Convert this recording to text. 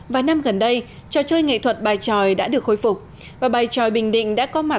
vài năm gần đây trò chơi nghệ thuật bài tròi đã được khôi phục và bài tròi bình định đã có mặt